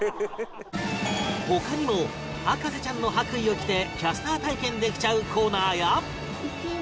他にも博士ちゃんの白衣を着てキャスター体験できちゃうコーナーや